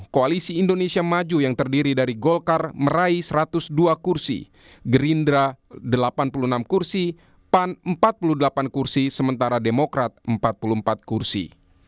koalisi indonesia maju yang terdiri dari golkar meraih satu ratus dua kursi gerindra delapan puluh enam kursi pan empat puluh delapan kursi sementara demokrat empat puluh empat kursi